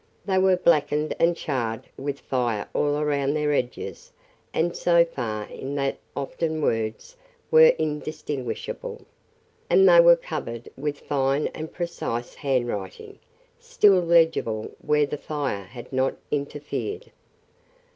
They were blackened and charred with fire all around their edges and so far in that often words were indistinguishable. And they were covered with fine and precise handwriting, still legible where the fire had not interfered.